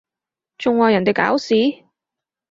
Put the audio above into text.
仲話人哋搞事？